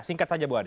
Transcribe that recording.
singkat saja bu ade